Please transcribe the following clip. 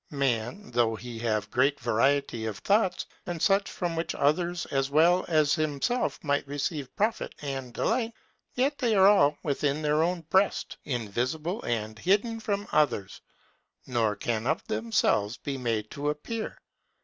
Man, though he have great variety of thoughts, and such from which others as well as himself might receive profit and delight; yet they are all within his own breast, invisible and hidden from others, nor can of themselves be made to appear.